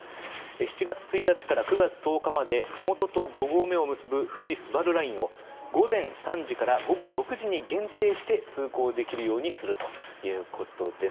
７月１日から９月１０日までふもとと５合目を結ぶ富士スバルラインを午前３時から午後６時に限定して通行できるようにするということです。